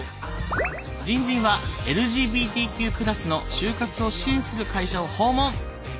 じんじんはＬＧＢＴＱ＋の就活を支援する会社を訪問！